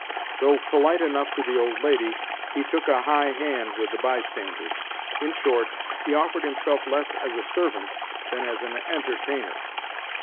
Though polite enough to the old lady, he took a high hand with the bystanders. In short, he offered himself less as a servant than as an entertainer.